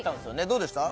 どうでした？